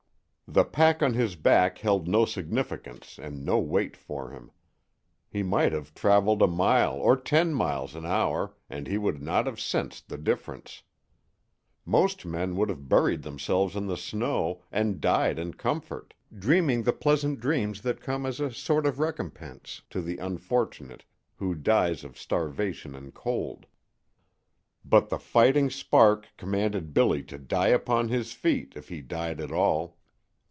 The pack on his back held no significance and no weight for him. He might have traveled a mile or ten miles an hour and he would not have sensed the difference. Most men would have buried themselves in the snow and died in comfort, dreaming the pleasant dreams that come as a sort of recompense to the unfortunate who dies of starvation and cold. But the fighting spark commanded Billy to die upon his feet if he died at all.